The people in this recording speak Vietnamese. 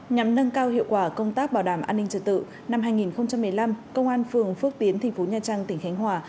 nhằm nâng cao hiệu quả công tác bảo đảm an ninh trật tự năm hai nghìn một mươi năm công an phường phước tiến thành phố nha trang tỉnh khánh hòa